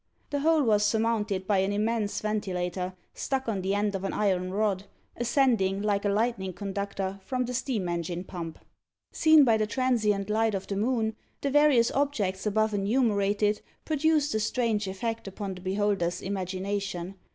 The whole was surmounted by an immense ventilator, stuck on the end of an iron rod, ascending, like a lightning conductor, from the steam engine pump. Seen by the transient light of the moon, the various objects above enumerated produced a strange effect upon the beholder's imagination.